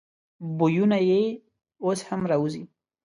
بویونه یې اوس هم راوزي.